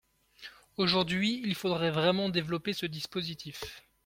Aujourd’hui, il faudrait vraiment développer ce dispositif.